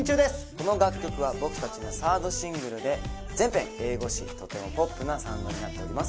この楽曲は僕たちのサードシングルで全編英語詞とてもポップなサウンドになっております。